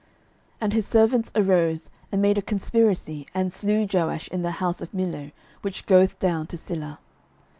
12:012:020 And his servants arose, and made a conspiracy, and slew Joash in the house of Millo, which goeth down to Silla.